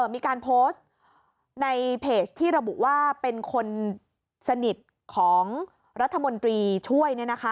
มีการโพสต์ในเพจที่ระบุว่าเป็นคนสนิทของรัฐมนตรีช่วย